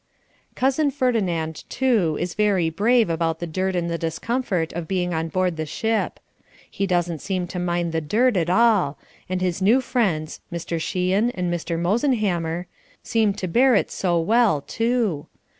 Cousin Ferdinand, too, is very brave about the dirt and the discomfort of being on board the ship. He doesn't seem to mind the dirt at all, and his new friends (Mr. Sheehan and Mr. Mosenhammer) seem to bear it so well, too.